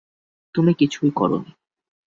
তুমি কিছুই করনি।